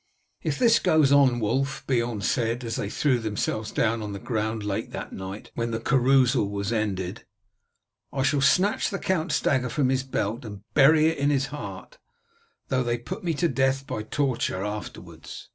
"If this goes on, Wulf," Beorn said as they threw themselves down on the ground late that night, when the carousal was ended, "I shall snatch the count's dagger from his belt and bury it in his heart, though they put me to death by torture afterwards."